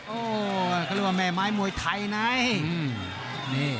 เขาเรียกว่าแม่ไม้มวยไทยไง